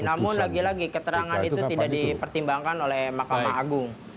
namun lagi lagi keterangan itu tidak dipertimbangkan oleh mahkamah agung